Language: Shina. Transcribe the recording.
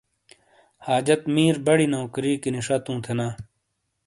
حاجت میر بَڑی نوکری کینی شَتُوں تھینا۔